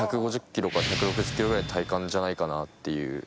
１５０キロから１６０キロぐらいの体感じゃないかなっていう。